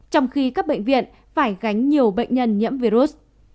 trong khi các bệnh viện phải gánh nhiều bệnh nhân nhiễm virus